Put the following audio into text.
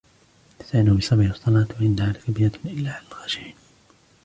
واستعينوا بالصبر والصلاة وإنها لكبيرة إلا على الخاشعين